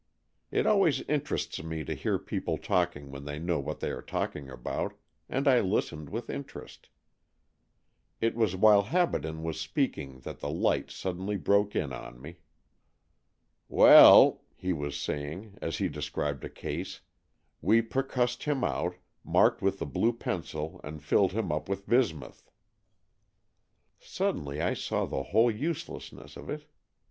It always interests me to hear people talking when they know what they are talking about, and I listened with interest. It was while Habaden was speak ing that the light suddenly broke in on me. "Well," he was saying, as he described a case, "we percussed him out, marked with AN EXCHANGE OF SOULS 243 the blue pencil and filled him up with bismuth." Suddenly I saw the whole uselessness of it.